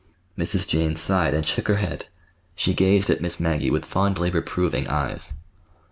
Mrs. Jane sighed and shook her head. She gazed at Miss Maggie with fondly reproving eyes.